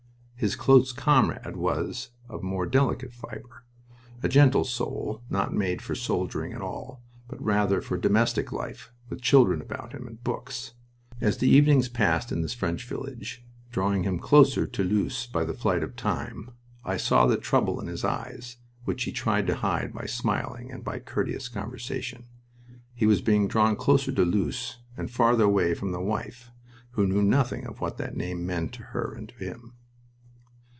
His close comrade was of more delicate fiber, a gentle soul, not made for soldiering at all, but rather for domestic life, with children about him, and books. As the evenings passed in this French village, drawing him closer to Loos by the flight of time, I saw the trouble in his eyes which he tried to hide by smiling and by courteous conversation. He was being drawn closer to Loos and farther away from the wife who knew nothing of what that name meant to her and to him.